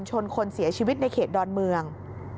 ชนคนเสียชีวิตในเขตดอนเมือง